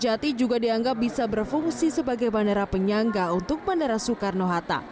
kejati juga dianggap bisa berfungsi sebagai bandara penyangga untuk bandara soekarno hatta